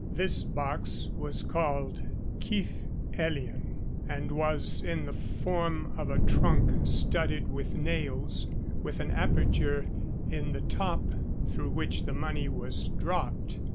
This box was called cyff elian, and was in the form of a trunk studded with nails, with an aperture in the top through which the money was dropped.